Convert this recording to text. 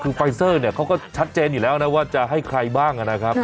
คือไฟเซอร์เขาก็ชัดเจนอีกแล้วว่าจะให้ใครบ้างครับ